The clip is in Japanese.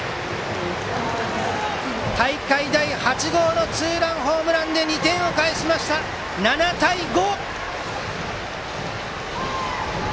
大会第８号のツーランホームランで２点を返しました、７対５！